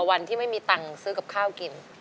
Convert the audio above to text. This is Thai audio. วันที่ไม่มีตังค์ซื้อกับข้าวกิน